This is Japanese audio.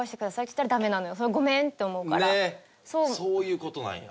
そういう事なんや。